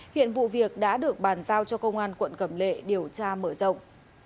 hiện vụ việc đã được bàn giao cho công an quận cầm lệ điều tra mở rộng